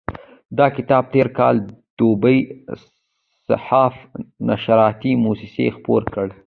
دا کتاب تېر کال دوبی صحاف نشراتي موسسې خپور کړ.